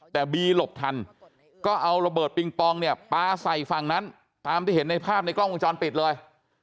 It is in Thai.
แต่บีหลบทันก็เอาระเบิดปิงปองเนี่ยปลาใส่ฝั่งนั้นตามที่เห็นในภาพในกล้องวงจรปิดเลย